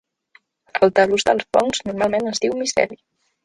El tal·lus dels fongs normalment es diu miceli.